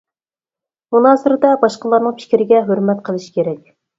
مۇنازىرىدە باشقىلارنىڭ پىكرىگە ھۆرمەت قىلىش كېرەك.